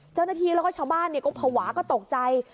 เจ้าหน้าที่แล้วก็ชาวบ้านก็ภาวะก็ตกใจ